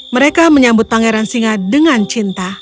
mereka menyambut pangeran singa dengan cinta